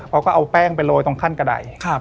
เขาก็เอาแป้งไปโรยตรงขั้นกระดาย